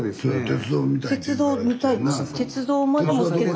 鉄道見たい。